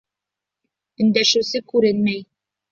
Өндәшеүсе күренмәй.